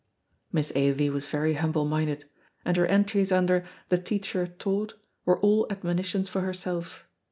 Miss Ailie was very humble minded, and her entries under THE TEACHER TAUGHT were all admonitions for herself.